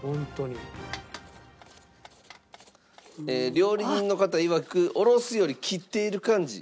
料理人の方いわくおろすより切っている感じ。